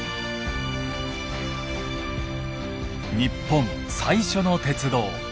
日本最初の鉄道。